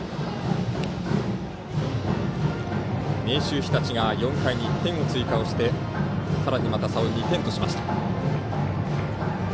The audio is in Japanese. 明秀日立が４回に１点を追加してさらにまた差を２点としました。